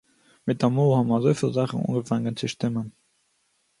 מיטאַמאָל האָבן אַזויפיל זאַכן אָנגעפאַנגען צו שטימען